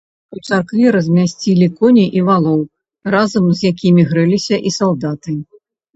У царкве размясцілі коней і валоў, разам з якімі грэліся і салдаты.